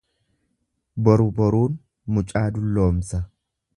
Boru boruun mucaa dulloomsa.